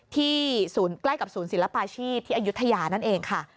ศูนย์ใกล้กับศูนย์ศิลปาชีพที่อายุทยานั่นเองค่ะ